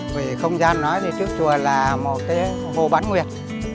về không gian nói thì trước chùa là một cái hồ bán nguyệt